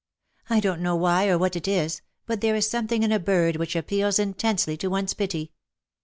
I don't know why or what it is^ but there is some thing in a bird which appeals intensely to one^s pity.